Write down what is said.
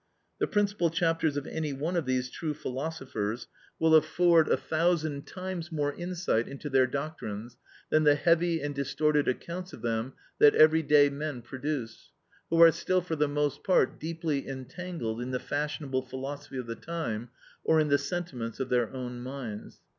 The principal chapters of any one of these true philosophers will afford a thousand times more insight into their doctrines than the heavy and distorted accounts of them that everyday men produce, who are still for the most part deeply entangled in the fashionable philosophy of the time, or in the sentiments of their own minds.